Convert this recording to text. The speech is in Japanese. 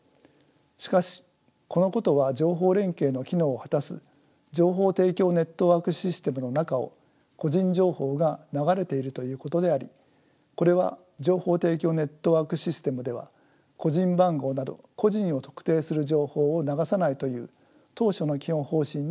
しかしこのことは情報連携の機能を果たす情報提供ネットワークシステムの中を個人情報が流れているということでありこれは情報提供ネットワークシステムでは個人番号など個人を特定する情報を流さないという当初の基本方針に反しています。